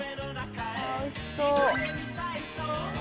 △おいしそう。